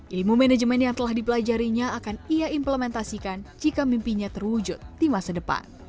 ilmu manajemen yang telah dipelajarinya akan ia implementasikan jika mimpinya terwujud di masa depan